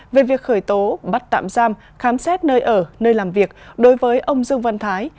về việc khởi tố bắt tạm giam khám xét nơi ở nơi làm việc đối với ông dương văn thái